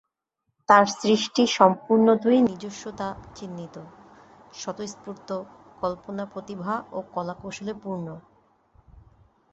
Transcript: তাঁর সৃষ্টি সম্পূর্ণতই নিজস্বতাচিহ্নিত, স্বতঃস্ফূর্ত কল্পনাপ্রতিভা ও কলাকৌশলে পূর্ণ।